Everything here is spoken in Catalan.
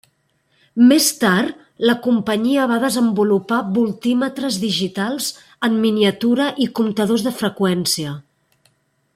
Més tard, la companyia va desenvolupar voltímetres digitals en miniatura i comptadors de freqüència.